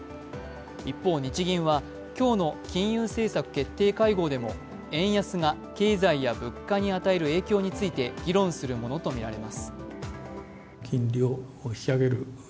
一方、日銀は今日の金融政策会合でも円安が経済や物価に与える影響について議論するものとみられます。